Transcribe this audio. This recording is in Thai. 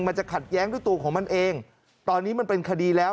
มันจะขัดแย้งด้วยตัวของมันเองตอนนี้มันเป็นคดีแล้ว